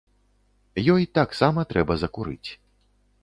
Ёй таксама трэба закурыць.